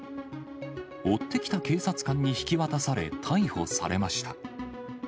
追ってきた警察官に引き渡され、逮捕されました。